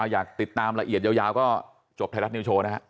อยากติดตามละเอียดยาวก็จบไทยรัฐนิวโชว์นะฮะ